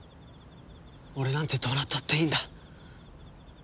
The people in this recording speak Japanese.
俺なんてどうなったっていいんだ。